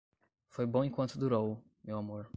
Foi bom enquanto durou, meu amor